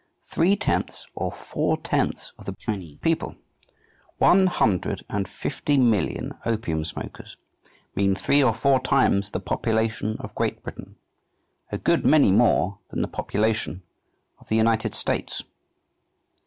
"Three tenths or four tenths" of the Chinese people, one hundred and fifty million opium smokers mean three or four times the population of Great Britain, a good many more than the population of the United States!